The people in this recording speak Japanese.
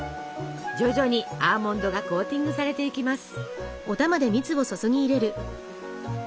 徐々にアーモンドがコーティングされていきます。